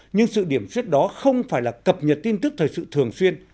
nhưng sự điểm suyết đó không phải là cập nhật tin tức thời sự thường xuyên